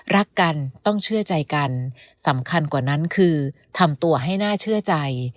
รักกันต้องเชื่อใจกันสำคัญกว่านั้นคือทำตัวให้น่าเชื่อใจ